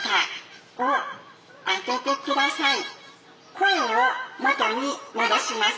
声を元に戻します。